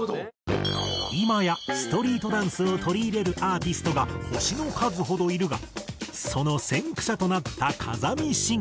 今やストリートダンスを取り入れるアーティストが星の数ほどいるがその先駆者となった風見慎吾。